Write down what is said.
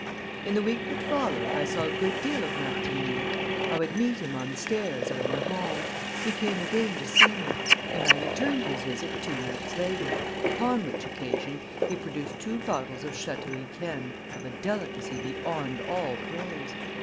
In the week that followed, I saw a good deal of Martigny. I would meet him on the stairs or in the hall; he came again to see me, and I returned his visit two nights later, upon which occasion he produced two bottles of Château Yquem of a delicacy beyond all praise.